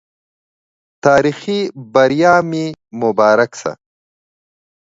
تاريخي بریا مو مبارک سه